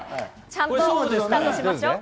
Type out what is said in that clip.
ちゃんとスタートしましょう。